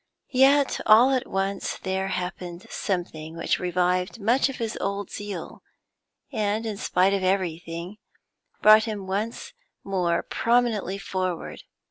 Yet all at once there happened something which revived much of his old zeal, and, in spite of everything, brought him once more prominently forward.